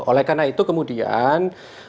oleh karena itu kemudian